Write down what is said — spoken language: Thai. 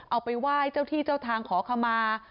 เอาไปไหว้เจ้าที่เจ้าทางขอขมา